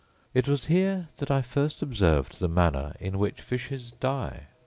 It was here that I first observed the manner in which fishes die.